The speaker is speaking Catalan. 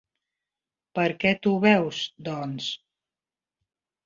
Per què t'ho beus, doncs?